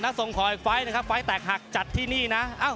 นักส่งขอให้ไฟล์ดไฟล์ดแตกหักจัดที่นี่นะ